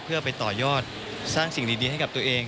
เพื่อไปต่อยอดสร้างสิ่งดีให้กับตัวเอง